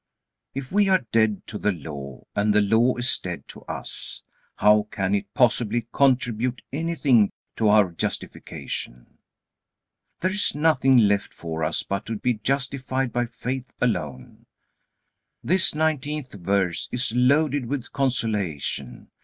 If we are dead to the Law and the Law is dead to us, how can it possibly contribute anything to our justification? There is nothing left for us but to be justified by faith alone. This nineteenth verse is loaded with consolation.